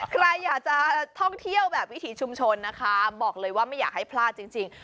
ใครอยากจะท่องเที่ยวแบบวิถีชุมชนนะคะบอกเลยว่าไม่อยากให้พลาดจริง